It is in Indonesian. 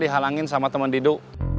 dihalangin sama teman didu